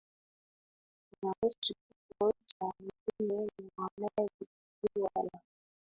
inahusu kifo cha Mtume Muhamad ikiwa na